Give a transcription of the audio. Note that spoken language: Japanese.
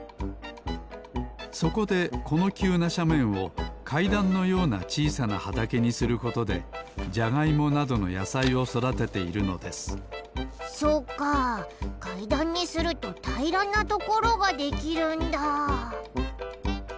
そこでこのきゅうなしゃめんをかいだんのようなちいさなはたけにすることでジャガイモなどのやさいをそだてているのですそうかかいだんにするとたいらなところができるんだ！